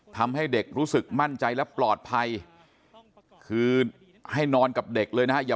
ทำให้เด็กรู้สึกมั่นใจและปลอดภัยคือให้นอนกับเด็กเลยนะฮะ